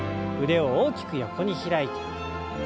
腕を大きく横に開いて。